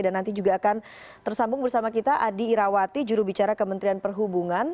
dan nanti juga akan tersambung bersama kita adi irawati jurubicara kementerian perhubungan